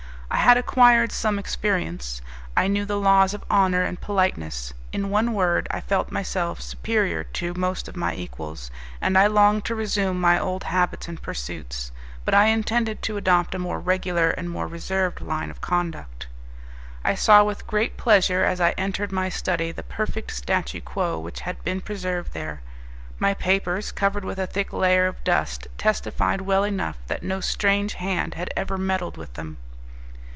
I had acquired some experience; I knew the laws of honour and politeness; in one word, I felt myself superior to most of my equals, and I longed to resume my old habits and pursuits; but I intended to adopt a more regular and more reserved line of conduct. I saw with great pleasure, as I entered my study, the perfect 'statu quo' which had been preserved there. My papers, covered with a thick layer of dust, testified well enough that no strange hand had ever meddled with them.